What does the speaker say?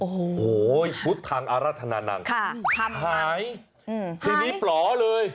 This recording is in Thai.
โอ้โหพุทธทางอรัฐนานังหายทีนี้ปลอเลย